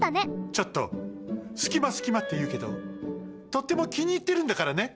ちょっとすきますきまっていうけどとってもきにいってるんだからね。